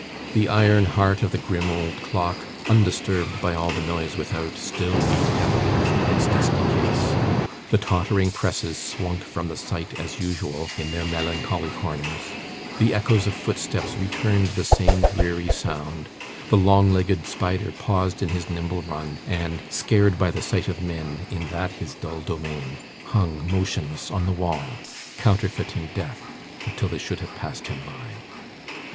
The iron heart of the grim old clock, undisturbed by all the noise without, still beat heavily within its dusty case; the tottering presses slunk from the sight, as usual, in their melancholy corners; the echoes of footsteps returned the same dreary sound; the long legged spider paused in his nimble run, and, scared by the sight of men in that his dull domain, hung motionless on the wall, counterfeiting death until they should have passed him by.